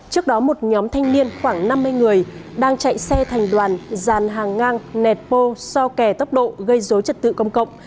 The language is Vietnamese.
trước đó một nhóm thanh niên khoảng năm mươi người đang chạy xe thành đoàn dàn hàng ngang nẹt bô so kẻ tốc độ gây dối trật tự công cộng